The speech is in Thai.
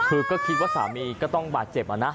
คือก็คิดว่าสามีก็ต้องบาดเจ็บนะ